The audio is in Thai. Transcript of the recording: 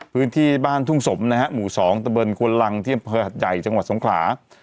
พื้นที่บ้านทุ่งสมนะฮะหมู่๒ตะบนควนลังที่อำเภอหัดใหญ่จังหวัดสงขลา